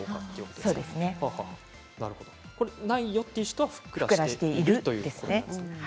ないという人はふっくらしているということですね。